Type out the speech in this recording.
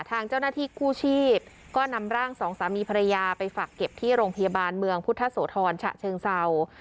ทางเจ้าหน้าที่กู้ชีพก็นำร่างสองสามีภรรยาไปฝักเก็บที่โรงพยาบาลเมืองพุทธโสธรฉะเชิงเศร้า